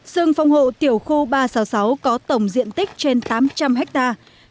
rừng phòng hộ tiểu khu ba trăm sáu mươi sáu có tổng diện tích trên tám trăm linh hectare